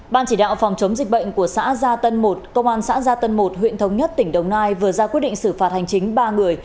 ban chỉ đạo phòng chống dịch bệnh của xã gia tân một công an xã gia tân một huyện thống nhất tỉnh đồng nai vừa ra quyết định xử phạt hành chính ba người